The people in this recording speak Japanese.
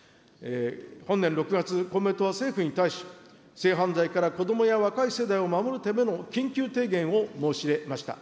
本年６月、公明党は政府に対し、性犯罪から子どもや若い世代を守るための緊急提言を申し入れました。